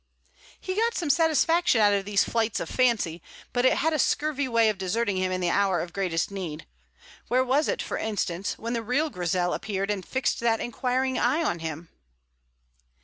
He got some satisfaction out of these flights of fancy, but it had a scurvy way of deserting him in the hour of greatest need; where was it, for instance, when the real Grizel appeared and fixed that inquiring eye on him?